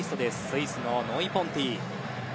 スイスのノイ・ポンティ。